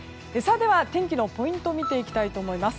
では、天気のポイントを見ていきたいと思います。